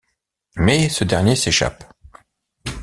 Mais ce dernier s'échappe.